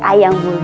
saya sudah sekarang